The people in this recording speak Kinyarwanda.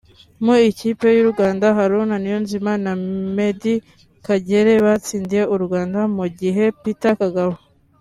Mu ikipe y’u Rwanda Haruna Niyonzima na Meddie Kagere batsindiye u Rwanda mu gihe Peter Kagabo